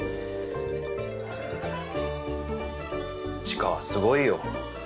知花はすごいよ。